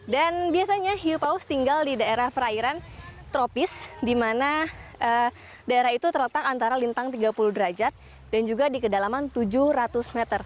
dan biasanya hiu paus tinggal di daerah perairan tropis di mana daerah itu terletak antara lintang tiga puluh derajat dan juga di kedalaman tujuh ratus meter